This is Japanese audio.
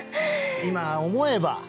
今思えば。